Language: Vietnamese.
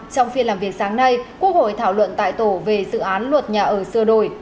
trong phiên làm việc sáng nay quốc hội thảo luận tại tổ về dự án luật nhà ở sơ đổi